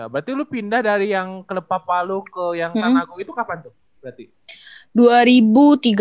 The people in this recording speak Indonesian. berarti lo pindah dari yang club papa lo ke yang tanago itu kapan tuh berarti